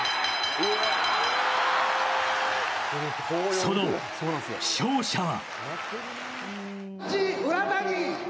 その勝者は？